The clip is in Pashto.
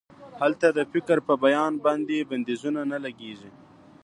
هلته د فکر په بیان باندې بندیزونه نه لګیږي.